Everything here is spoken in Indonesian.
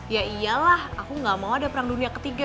ya iyalah aku gak mau ada perang dunia ketiga